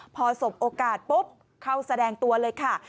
พอสบโอกาสปุ๊บเข้าแสดงตัวเลยค่ะ